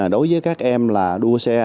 đối với các em là đua xe